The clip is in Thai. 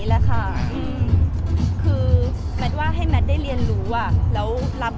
แม็กซ์ก็คือหนักที่สุดในชีวิตเลยจริง